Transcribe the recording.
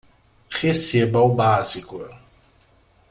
Receba o básico